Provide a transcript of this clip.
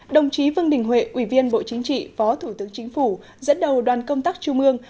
đồng chí vương đình huệ ủy viên bộ chính trị phó thủ tướng chính phủ dẫn đầu đoàn công tác trung ương